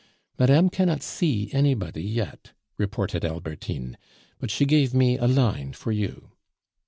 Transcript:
"Madame cannot see anybody yet," reported Albertine, "but she gave me a line for you."